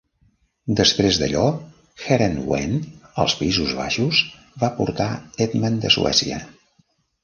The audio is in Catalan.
Després d'allò, Heerenveen als Països Baixos va portar Edman de Suècia.